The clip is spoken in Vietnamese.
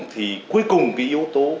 thì cuối cùng cái yếu tố